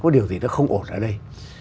có điều gì đó không ổn ở đây